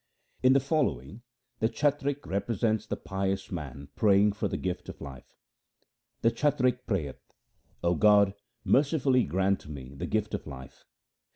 In the following the chatrik represents the pious man praying for the gift of life :— The chatrik prayeth, ' O God, mercifully grant me the gift of life